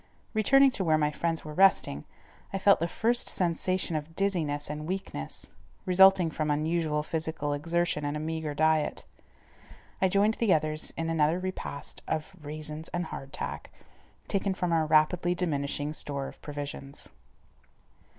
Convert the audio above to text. Returning to where my friends were resting, I felt the first sensation of dizziness and weakness, resulting from unusual physical exertion and a meagre diet. I joined the others in another repast of raisins and hard tack, taken from our rapidly diminishing store of provisions.